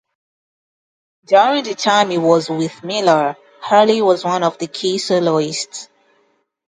During the time he was with Miller, Hurley was one of the key soloists.